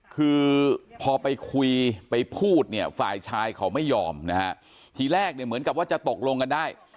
คือพอไปคุยไปพูดเนี่ยฝ่ายชายเขาไม่ยอมนะฮะทีแรกเนี่ยเหมือนกับว่าจะตกลงกันได้